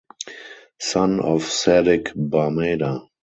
Son of Sadiq Barmada.